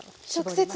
直接。